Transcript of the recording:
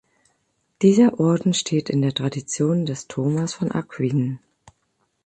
Dieser Orden steht in der Tradition des Thomas von Aquin.